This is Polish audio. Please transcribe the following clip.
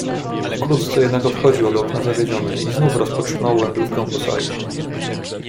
"Wkrótce jednak odchodził od okna zawiedziony i znów rozpoczynał wędrówkę po sali."